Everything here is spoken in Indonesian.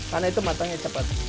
karena itu matangnya cepat